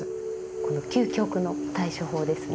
この究極の対処法ですね。